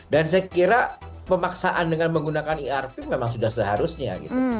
dan saya kira pemaksaan dengan menggunakan irp memang sudah seharusnya